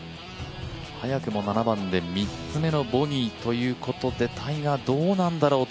早くも７番で３つめのボギーということでタイガー、どうなんだろうと。